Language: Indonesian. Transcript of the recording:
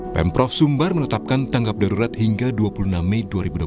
pemprov sumbar menetapkan tanggap darurat hingga dua puluh enam mei dua ribu dua puluh